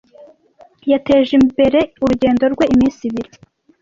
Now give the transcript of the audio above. Yateje imbere urugendo rwe iminsi ibiri.